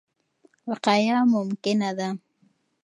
وقایه ممکنه ده.